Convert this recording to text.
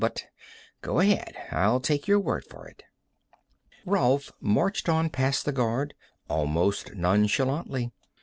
But go ahead; I'll take your word for it." Rolf marched on past the guard, almost nonchalantly.